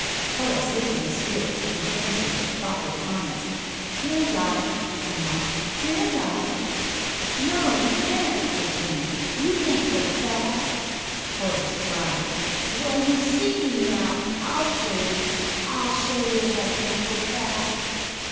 Horace lifted his spirits and answered with proper defiance. "Can't I?" he mocked. "Can't I?" "No, you can't," said Jimmie. "You can't go fast." Horace cried: "Well, you see me now! I'll show you! I'll show you if I can't go fast!"